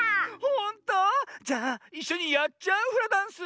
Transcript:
ほんと⁉じゃあいっしょにやっちゃうフラダンス？